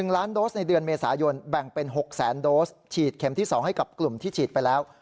๑ล้านโดสในเดือนเมษายนแบ่งเป็น๖แสนโดสฉีดเข็มที่๒ให้กับกลุ่มที่ฉีดไปแล้ว